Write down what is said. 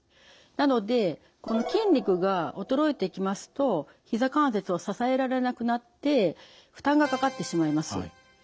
なのでこの筋肉が衰えてきますとひざ関節を支えられなくなって負担がかかってしまいます。